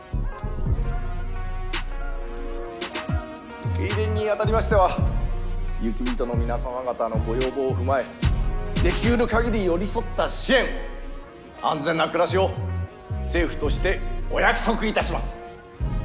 受け入れにあたりましては雪人の皆様方のご要望を踏まえできるかぎり寄り添った支援安全な暮らしを政府としてお約束いたします。